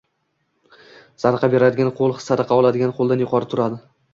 Sadaqa beradigan qo‘l sadaqa oladigan qo‘ldan yuqori turadi.